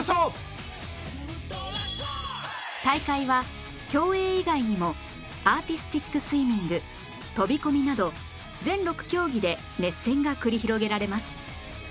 大会は競泳以外にもアーティスティックスイミング飛込など全６競技で熱戦が繰り広げられます